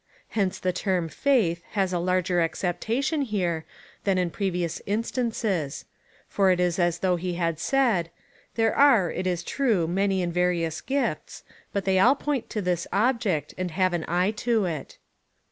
^ Hence the term faith has a larger acceptation here, than in previous instances ; for it is as though he had said —" There are, it is true, many and various gifts, but they all point to this object, and have an eye to it."